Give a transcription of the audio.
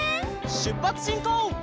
しゅっぱつしんこう！